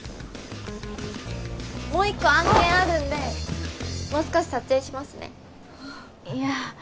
もう一個案件あるんでもう少し撮影しますねいや